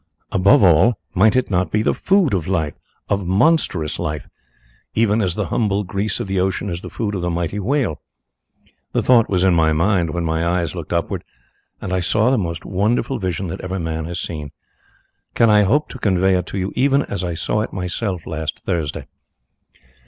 Above all, might it not be the food of life, of monstrous life, even as the humble grease of the ocean is the food for the mighty whale? The thought was in my mind when my eyes looked upwards and I saw the most wonderful vision that ever man has seen. Can I hope to convey it to you even as I saw it myself last Thursday?